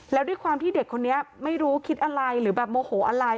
แล้วด้วยความที่เด็กคนนี้ไม่รู้คิดอะไรหรือแบบโมโหอะไร